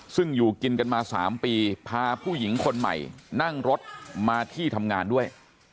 ซึ่งอยู่กินกันมา๓ปีพาผู้หญิงคนใหม่นั่งรถมาที่ทำงานด้วย